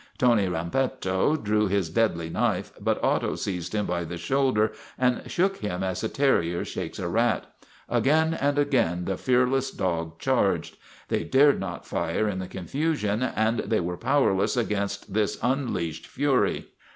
Tony Rampetto drew his deadly knife, but Otto seized him by the shoulder STRIKE AT TIVERTON MANOR 153 and shook him as a terrier shakes a rat. Again and again the fearless dog charged. They dared not fire in the confusion and they were powerless against this unleashed fury.